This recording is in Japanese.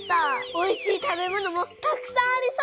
おいしい食べ物もたくさんありそう。